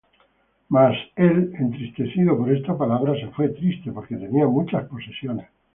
Mas él, entristecido por esta palabra, se fué triste, porque tenía muchas posesiones.